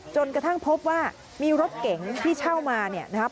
จนกระทั่งพบว่ามีรถเก๋งที่เช่ามาเนี่ยนะครับ